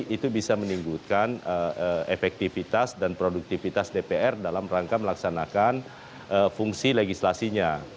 itu bisa menimbulkan efektivitas dan produktivitas dpr dalam rangka melaksanakan fungsi legislasinya